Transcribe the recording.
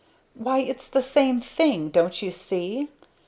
"Why it's the same thing! Don't you see?